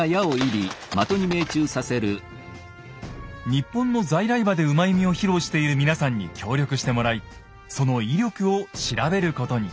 日本の在来馬で騎射を披露している皆さんに協力してもらいその威力を調べることに。